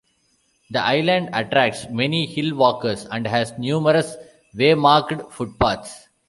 The island attracts many hill walkers and has numerous way-marked footpaths.